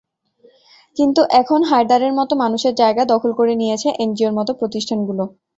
কিন্তু এখন হায়দারের মতো মানুষের জায়গা দখল করে নিয়েছে এনজিওর মতো প্রতিষ্ঠানগুলো।